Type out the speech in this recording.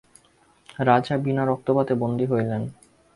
রাজা বিনা রক্তপাতে বন্দী হইলেন।